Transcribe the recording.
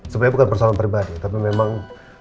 sebenarnya bukan persoalan pribadi tapi memang